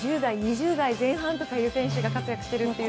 １０代、２０代前半の選手が選手が活躍しているので。